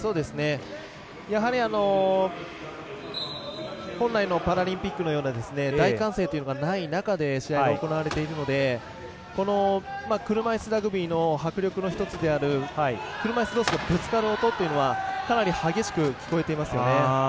やはり、本来のパラリンピックのような大歓声というのがない中で試合が行われているのでこの車いすラグビーの迫力の１つである車いすどうしのぶつかる音というのは、かなり激しく聞こえていますよね。